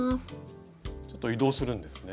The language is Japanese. ちょっと移動するんですね？